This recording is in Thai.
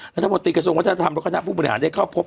รัฐมนตรีกระทรวงวัฒนธรรมและคณะผู้บริหารได้เข้าพบ